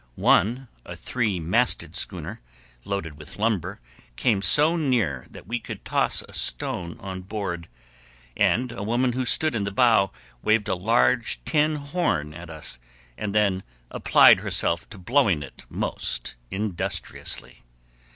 One, a three masted schooner, loaded with lumber, came so near that we could toss a stone on board, and a woman who stood in the bow waved a large tin horn at us, and then applied herself to blowing it most industriously.